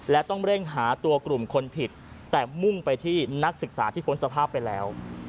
และต้องเร่งหาตัวกลุ่มคนผิดแต่มุ่งไปที่นักศึกษาที่พ้นสภาพไปแล้ว